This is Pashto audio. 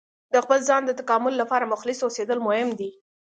د خپل ځان د تکامل لپاره مخلص اوسیدل مهم دي.